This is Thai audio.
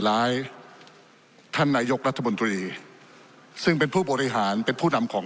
ร้ายท่านนายกรัฐมนตรีซึ่งเป็นผู้บริหารเป็นผู้นำของ